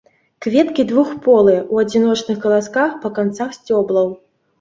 Кветкі двухполыя, у адзіночных каласках па канцах сцёблаў.